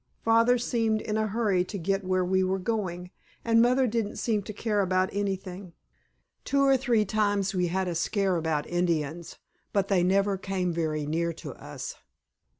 Father seemed in a hurry to get where we were going, and Mother didn't seem to care about anything. Two or three times we had a scare about Indians, but they never came very near to us.